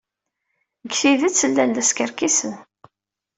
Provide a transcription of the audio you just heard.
Deg tidet, llan la skerkisen.